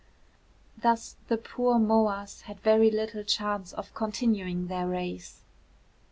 Thus the poor moas had very little chance of continuing their race.